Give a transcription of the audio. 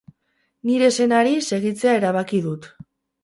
Nire senari segitzea erabaki dut.